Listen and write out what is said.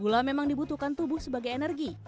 gula memang dibutuhkan tubuh sebagai energi